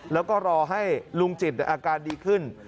แล้วก็รอให้ลุงจิตอาการดีขึ้น